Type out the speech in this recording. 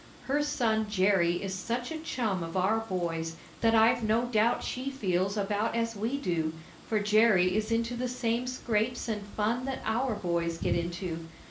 Her son Jerry is such a chum of our boys that I've no doubt she feels about as we do, for Jerry is into the same scrapes and fun that our boys get into.